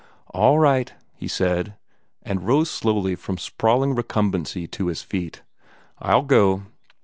"All right," he said, and rose slowly from sprawling recumbency to his feet. "I'll go."